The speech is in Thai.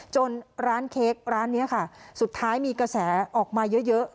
ร้านเค้กร้านนี้ค่ะสุดท้ายมีกระแสออกมาเยอะ